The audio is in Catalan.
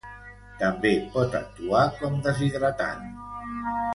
També pot actuar com deshidratant.